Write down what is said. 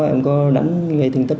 em có đánh gây thương tích